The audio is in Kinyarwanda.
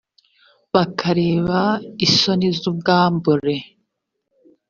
bakareba isoni z’ubwambure